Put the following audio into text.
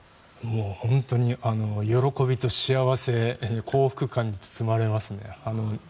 本当に喜びと幸せ幸福感に包まれますね。